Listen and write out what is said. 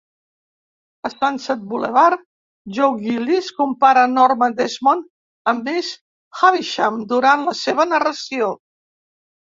A "Sunset Boulevard", Joe Gillis compara Norma Desmond amb Miss Havisham durant la seva narració.